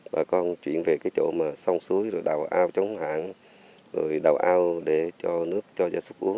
bà con chuyển về cái chỗ mà sông suối rồi đào ao chống hạn rồi đào ao để cho nước cho gia súc uống